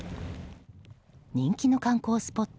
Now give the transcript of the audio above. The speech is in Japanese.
人気の観光スポット